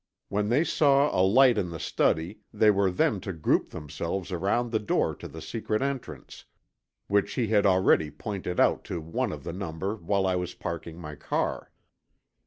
When they saw a light in the study they were then to group themselves around the door to the secret entrance, which he had already pointed out to one of their number while I was parking my car.